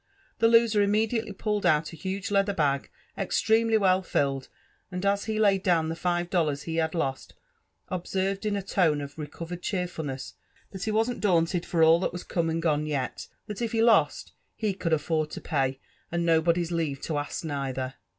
The loser immediately pulled out a huge leather bag extremely well filled ; and as he laid down the five dollars he had lost, observed in a tone of recovered cheerfulness,, that he wasn't daunted for ail that was eome and gone yet — that if he lost, he could afford to pay, and no body's leave to ask neither."